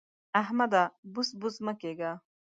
احمده! بوڅ بوڅ مه کېږه.